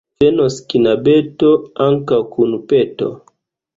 Venos knabeto ankaŭ kun peto.